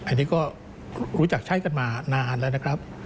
อันนี้ก็รู้จักใช้กันมานานแล้วนะครับ